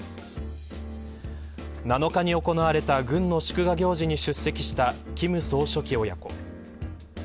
７日に行われた軍の祝賀行事に出席した金総書記親子。